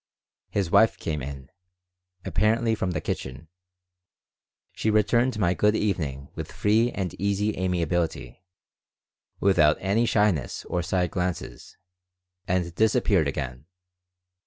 His wife came in, apparently from the kitchen. She returned my "Good evening" with free and easy amiability, without any shyness or side glances, and disappeared again.